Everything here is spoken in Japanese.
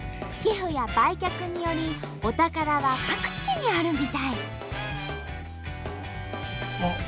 寄付や売却によりお宝は各地にあるみたい。